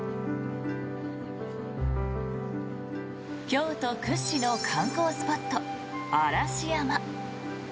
京都屈指の観光スポット、嵐山。